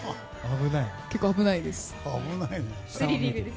結構危ないんです。